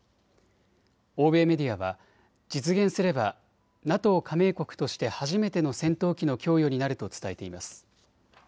欧米メディアは実現すればＮＡＴＯ加盟国として初めての戦闘機の供与になると伝えています。